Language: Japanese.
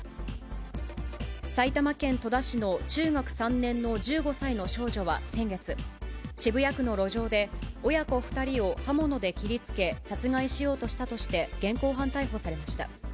埼玉県戸田市の中学３年の１５歳の少女は先月、渋谷区の路上で、親子２人を刃物で切りつけ、殺害しようとしたとして現行犯逮捕されました。